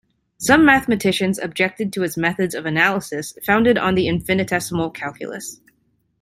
Some mathematicians objected to his methods of analysis founded on the infinitesimal calculus.